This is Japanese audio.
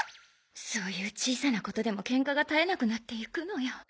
そういう小さなことでもケンカが絶えなくなってゆくのよ。